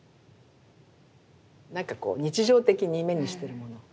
なんかこう日常的に目にしてるもの。